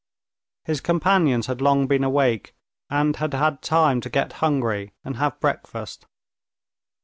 His companions had long been awake, and had had time to get hungry and have breakfast.